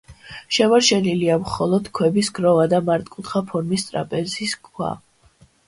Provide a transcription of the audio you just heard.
შემორჩენილია მხოლოდ ქვების გროვა და მართკუთხა ფორმის ტრაპეზის ქვა.